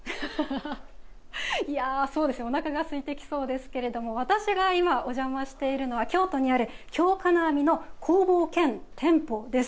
いや、そうですおなかが空いてきそうですけれども私が今、お邪魔しているのは京都にある京金網の工房兼店舗です。